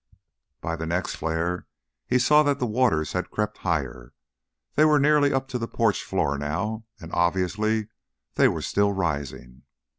By the next flare he saw that the waters had crept higher. They were nearly up to the porch floor now, and, obviously, they were still rising.